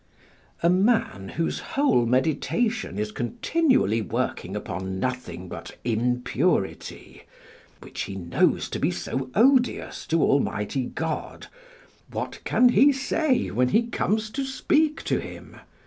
A man whose whole meditation is continually working upon nothing but impurity which he knows to be so odious to Almighty God, what can he say when he comes to speak to Him?